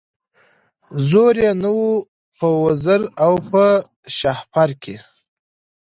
زور یې نه وو په وزر او په شهپر کي